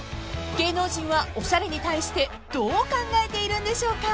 ［芸能人はおしゃれに対してどう考えているんでしょうか］